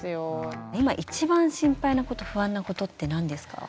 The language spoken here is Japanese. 今一番心配なこと不安なことって何ですか？